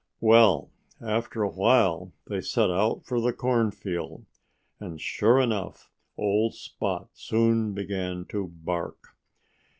Well after a while they set out for the cornfield. And sure enough! old Spot soon began to bark.